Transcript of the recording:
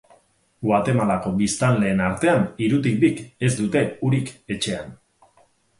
Guatemalako biztanleen artean hirutik bik ez dute urik etxean.